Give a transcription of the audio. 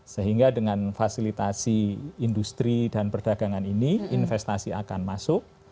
sehingga dengan fasilitasi industri dan perdagangan ini investasi akan masuk